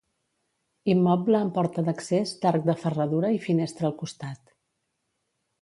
Immoble amb porta d'accés d'arc de ferradura i finestra al costat.